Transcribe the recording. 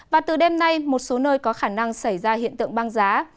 và từ đêm nay một số nơi có khả năng xảy ra hiện tượng băng giá